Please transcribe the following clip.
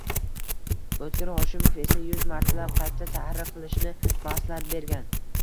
O‘tkir Hoshimov esa yuz martalab qayta tahrir qilishni maslahat bergan.